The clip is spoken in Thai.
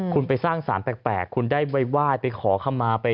คุณไปสร้างสารแปลกคุณได้ไว้ว่ายไปขอเข้ามา